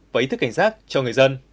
và ý thức cảnh giác cho người dân